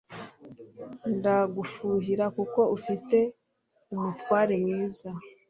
Ndagufuhira kuko ufite umutware mwiza.